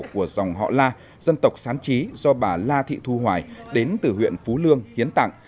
của dòng họ la dân tộc sán trí do bà la thị thu hoài đến từ huyện phú lương hiến tặng